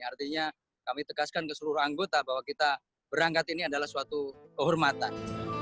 artinya kami tegaskan ke seluruh anggota bahwa kita berangkat ini adalah suatu kehormatan